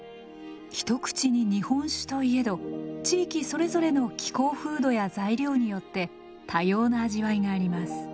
一口に日本酒と言えど地域それぞれの気候風土や材料によって多様な味わいがあります。